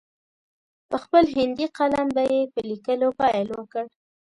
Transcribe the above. په خپل هندي قلم به یې په لیکلو پیل وکړ.